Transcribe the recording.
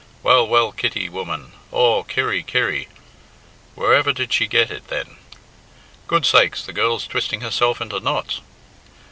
Well, well, Kitty, woman! Aw, Kirry, Kirry! Wherever did she get it, then? Goodsakes, the girl's twisting herself into knots!"